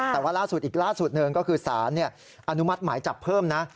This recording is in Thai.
แต่ว่าล่าสุดอีกล่าสุดหนึ่งก็คือสารอนุมัติหมายจับเพิ่มนะ